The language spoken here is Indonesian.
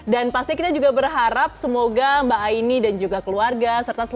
dan pasti kita juga berharap semoga mbak aini dan juga keluarga serta keluarga